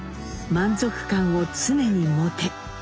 「満足感を常に持て」。